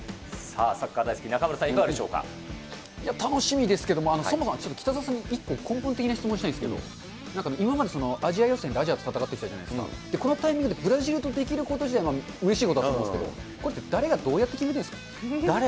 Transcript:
さあ、サッカー大好き中丸さ楽しみですけど、北澤さんに根本的な質問したいんですけど、なんか今までアジア予選でアジアと戦ってきたじゃないですか、このタイミングでブラジルとできること自体、うれしいことなんですけども、これ、誰がど誰がどうやって決めてる？